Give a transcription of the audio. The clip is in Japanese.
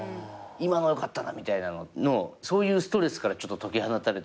今の良かったなみたいなののそういうストレスから解き放たれたい。